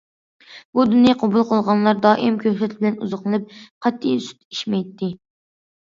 بۇ دىننى قوبۇل قىلغانلار دائىم كۆكتات بىلەن ئوزۇقلىنىپ، قەتئىي سۈت ئىچمەيتتى.